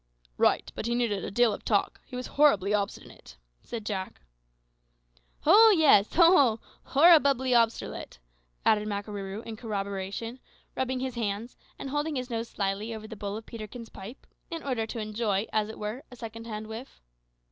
'" "Right; but he needed a deal of talk he was horribly obstinate," said Jack. "Ho, yis; ho! ho! horribubly obsterlate," added Makarooroo in corroboration, rubbing his hands and holding his nose slyly over the bowl of Peterkin's pipe, in order to enjoy, as it were, a second hand whiff.